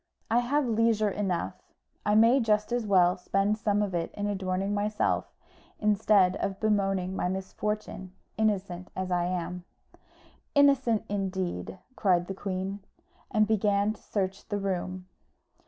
"I have leisure enough: I may just as well spend some of it in adorning myself, instead of bemoaning my misfortune innocent as I am." "Innocent, indeed!" cried the queen, and began to search the room.